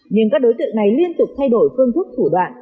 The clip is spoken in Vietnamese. nhưng các đối tượng này liên tục thay đổi phương thức thủ đoạn